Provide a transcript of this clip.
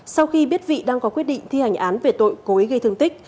sau khi biết vị đang có quyết định thi hành án về tội cối gây thương tích